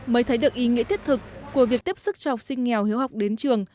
mới thấy được ý nghĩa thiết thực của việc tiếp sức cho học sinh nghèo hiếu học đến trường